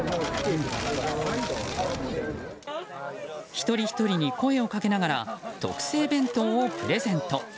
一人ひとりに声をかけながら特製弁当をプレゼント。